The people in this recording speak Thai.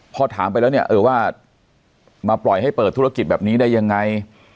พอถามไปแล้วเนี่ยเออว่ามาปล่อยให้เปิดธุรกิจแบบนี้ได้ยังไง